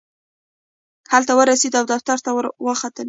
هلته ورسېدو او دفتر ته ورختلو.